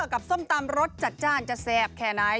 ส้มตำรสจัดจ้านจะแซ่บแค่ไหน